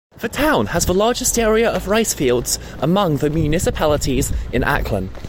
The town has the largest area of ricefields among the municipalities in Aklan.